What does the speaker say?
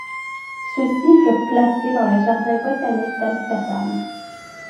Ceux-ci furent placés dans le jardin botanique d'Amsterdam.